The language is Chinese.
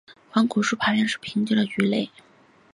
黄果树爬岩鳅为平鳍鳅科爬岩鳅属的鱼类。